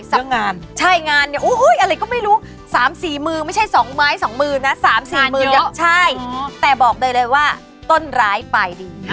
เรื่องงานใช่งานเนี้ยอุ้ยอะไรก็ไม่รู้สามสี่มือไม่ใช่สองไม้สองมือนะสามสี่มือเยอะใช่แต่บอกเลยเลยว่าต้นร้ายปลายดีอ่า